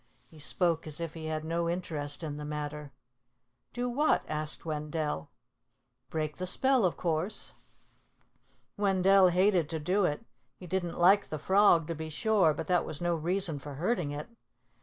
He spoke as if he had no interest in the matter. "Do what?" asked Wendell. "Break the spell, of course." Wendell hated to do it. He didn't like the frog, to be sure, but that was no reason for hurting it.